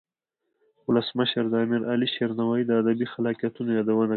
ولسمشر د امیر علي شیر نوایی د ادبی خلاقیتونو یادونه وکړه.